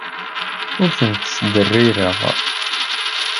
Ur tent-ttderrireɣ.